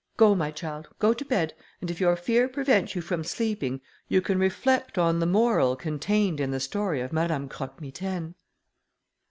Go, my child, go to bed, and if your fear prevents you from sleeping, you can reflect on the moral contained in the story of Madame Croque Mitaine."